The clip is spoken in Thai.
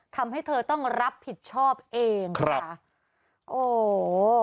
ทำให้เธอต้องรับผิดชอบเองค่ะโอ้โห